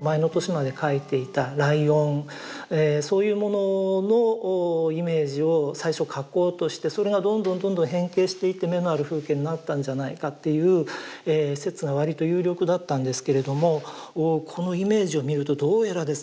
前の年まで描いていた「ライオン」そういうもののイメージを最初描こうとしてそれがどんどんどんどん変形していって「眼のある風景」になったんじゃないかっていう説が割と有力だったんですけれどもこのイメージを見るとどうやらですね